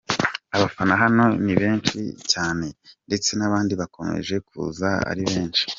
Abafana hano ni benshi cyane, ndetse n'abandi bakomeje kuza ari benshi.